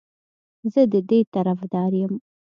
زه د دې طرفدار یم